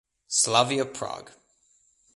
Slavia Prague